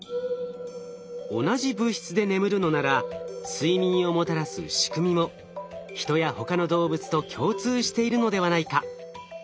同じ物質で眠るのなら睡眠をもたらす仕組みもヒトや他の動物と共通しているのではないか？